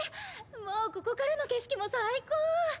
もうここからの景色も最高！